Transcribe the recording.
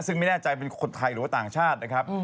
ซึ่งไม่แน่ใจเป็นคนไทยหรือว่าต่างชาตินะครับ